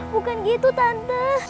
bukan gitu tante